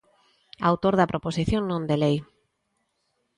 Autor da proposición non de lei.